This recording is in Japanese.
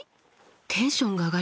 テンションが上がります。